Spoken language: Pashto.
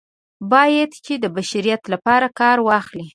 باید چې د بشریت لپاره کار واخلي.